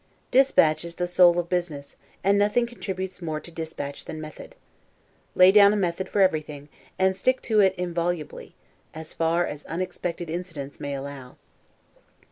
Dispatch is the soul of business; and nothing contributes more to dispatch than method. Lay down a method for everything, and stick to it inviolably, as far as unexpected incidents may allow.